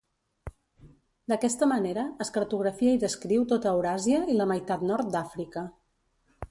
D'aquesta manera es cartografia i descriu tota Euràsia i la meitat nord d'Àfrica.